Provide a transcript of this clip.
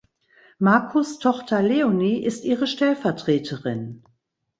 Markus‘ Tochter Leonie ist ihre Stellvertreterin.